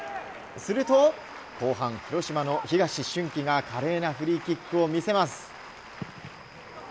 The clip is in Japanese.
すると後半、広島の東俊希が華麗なフリーキックを見せます。